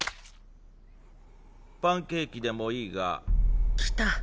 パンケーキでもいいが。来た。